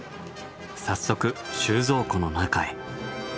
早速収蔵庫の中へ。